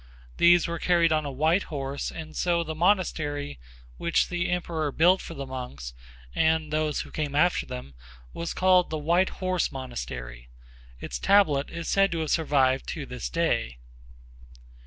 These were carried on a white horse and so the monastery which the emperor built for the monks and those who came after them was called the White Horse Monastery. Its tablet is said to have survived to this day.